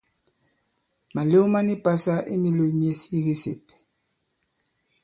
Màlew ma ni pasa i mīlēw myes i kisèp.